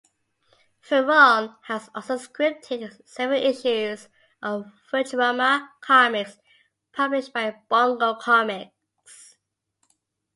Verrone has also scripted seven issues of "Futurama Comics", published by Bongo Comics.